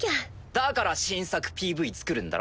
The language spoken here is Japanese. だから新作ＰＶ作るんだろ？